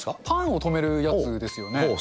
パンを留めるやつですよね。